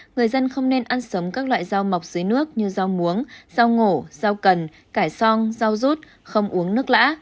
người dân không nên ăn sống các loại rau mọc dưới nước như rau muống rau ngủ rau cần cải son rau rút không uống nước lã